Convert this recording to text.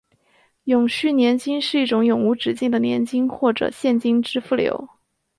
永续年金是一种永无止境的年金或者现金支付流。